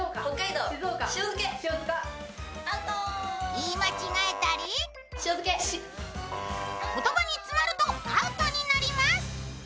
言い間違えたり言葉に詰まるとアウトになります。